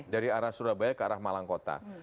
dari arah surabaya ke arah malang kota